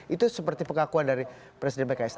itu seperti pengakuan dari presiden pks